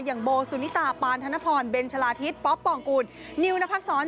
โบสุนิตาปานธนพรเบนชะลาทิศป๊อปปองกูลนิวนพัดศร